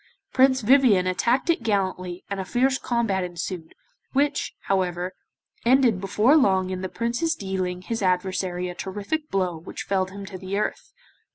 Prince Vivien attacked it gallantly and a fierce combat ensued, which, however, ended before long in the Prince's dealing his adversary a terrific blow which felled him to the earth.